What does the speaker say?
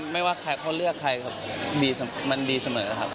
ไม่ว่าเขาเลือกใครครับมันดีเสมอครับ